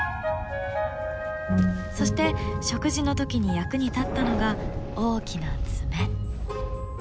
そして食事の時に役に立ったのが大きな爪。